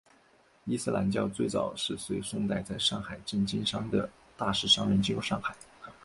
伊斯兰教最早是随宋代在上海镇经商的大食商人进入上海。